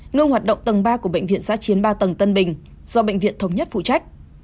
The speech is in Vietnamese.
ngưng hoạt động tầng ba của bệnh viện giã chiến ba tầng tân bình do bệnh viện thống nhất phụ trách